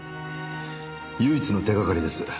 唯一の手掛かりです。